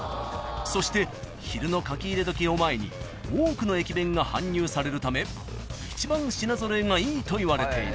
そして昼のかき入れ時を前に多くの駅弁が搬入されるため一番品揃えがいいといわれている］